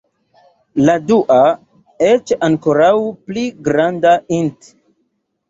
La dua, eĉ ankoraŭ pli granda int.